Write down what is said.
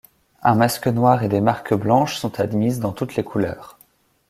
Un masque noir et des marques blanches sont admises dans toutes les couleurs.